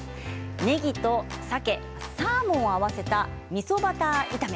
ねぎとさけ、サーモンを合わせたみそバター炒め。